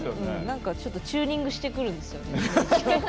ちょっとチューニングしてくるんですよね。